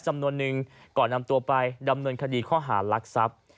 จำนวนนึงก่อนนำตัวไปดำเนินคดีข้อหารักทรัพย์